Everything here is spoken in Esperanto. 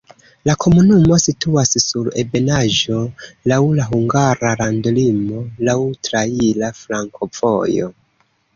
La komunumo situas sur ebenaĵo, laŭ la hungara landolimo, laŭ traira flankovojo.